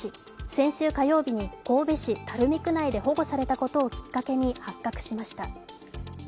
先週火曜日に神戸市垂水区内で保護されたことをきっかけに発覚しました。